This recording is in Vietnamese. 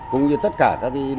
cũng như tất cả các lý do